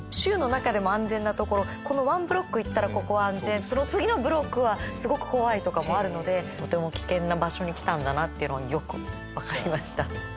このワンブロック行ったらここは安全その次のブロックはすごく怖いとかもあるのでとても危険な場所に来たんだなっていうのがよくわかりました。